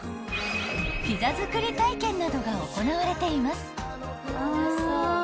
［ピザ作り体験などが行われています］